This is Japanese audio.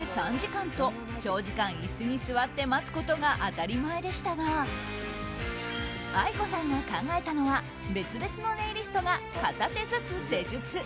施術にかかる時間は両手で３時間と長時間、椅子に座って待つことが当たり前でしたがＡＩＫＯさんが考えたのは別々のネイリストが片手ずつ施術。